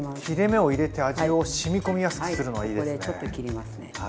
切れ目を入れて味をしみ込みやすくするのはいいですね。